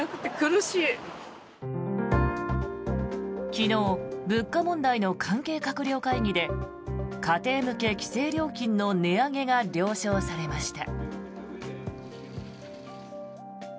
昨日、物価問題の関係閣僚会議で家庭向け規制料金の値上げが了承されました。